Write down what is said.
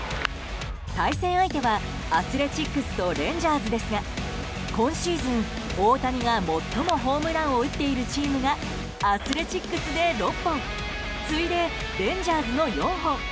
対戦相手はアスレチックスとレンジャーズですが今シーズン、大谷が最もホームランを打っているチームがアスレチックスで６本次いで、レンジャーズの４本。